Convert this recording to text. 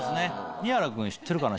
新原君は知ってるかな？